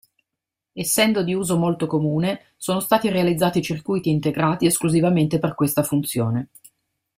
Essendo di uso molto comune sono stati realizzati circuiti integrati esclusivamente per questa funzione.